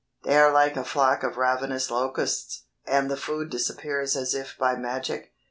They are like a flock of ravenous locusts and the food disappears as if by magic.